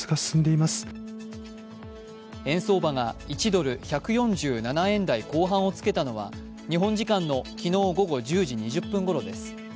ー円相場が１ドル＝１４７円台後半をつけたのは、日本時間の昨日午後１０時２０分ごろです。